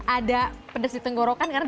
ada pedas ditenggorokkan karena